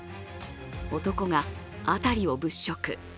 男が辺りを物色。